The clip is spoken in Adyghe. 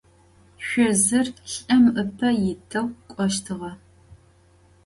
Şüzır lh'ım ıpe yiteu k'oştığe.